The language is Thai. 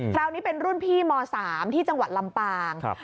คราวนี้เป็นรุ่นพี่ม๓ที่จังหวัดลำปาง